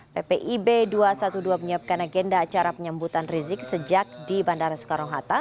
ppi b dua ratus dua belas menyiapkan agenda acara penyambutan rizik sejak di bandara soekarno hatta